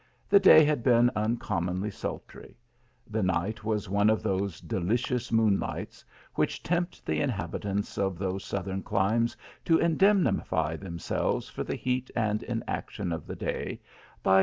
The day had been uncommonly sultry; the nig it was one of those delicious moonlights, which tempt the inhabitants of those southern climes to indemnify themselves for the heat and inaction of the day, by